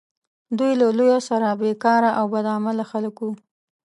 دوی له لویه سره بیکاره او بد عمله خلک وه.